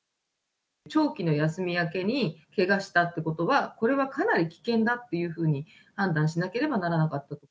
長期の休み明けにけがしたってことはこれはかなり危険だというふうに判断しなければならなかったと。